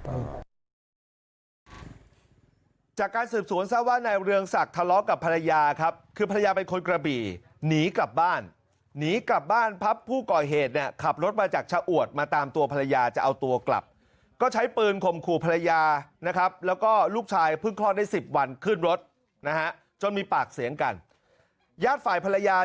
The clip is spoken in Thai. เพราะว่ามันยิ่งแกรกแกรกว่ายิ่งเปลือกตาขนาดนี้ก็เปล่า